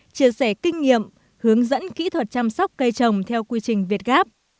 chia sẻ kinh nghiệm hướng dẫn kỹ thuật chăm sóc cây trồng theo quy trình việt gáp